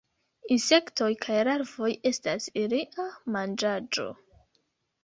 Insektoj kaj larvoj estas ilia manĝaĵo.